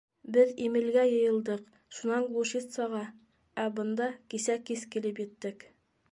— Беҙ Имелгә йыйылдыҡ, шунан Глушицаға, ә бында кисә кис килеп еттек.